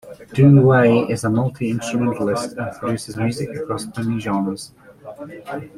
Dou Wei is a multi-instrumentalist and produces music across many genres.